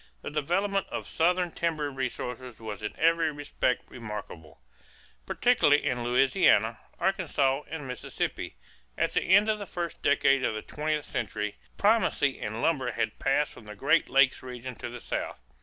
The development of Southern timber resources was in every respect remarkable, particularly in Louisiana, Arkansas, and Mississippi. At the end of the first decade of the twentieth century, primacy in lumber had passed from the Great Lakes region to the South.